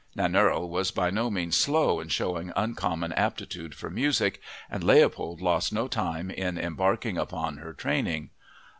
Nannerl was by no means slow in showing uncommon aptitude for music, and Leopold lost no time in embarking upon her training.